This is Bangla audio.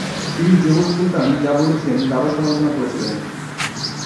তিনি জোহর সুলতান যা বলেছেন তারও সমালোচনা করেছিলেন।